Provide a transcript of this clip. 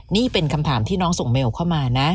นี่เป็นคำถามที่น้องส่งเมลเข้ามานะ